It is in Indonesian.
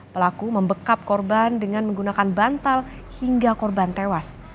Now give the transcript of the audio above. pelaku membekap korban dengan menggunakan bantal hingga korban tewas